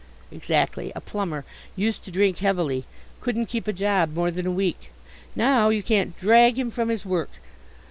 "Exactly, a plumber. Used to drink heavily couldn't keep a job more than a week. Now, you can't drag him from his work.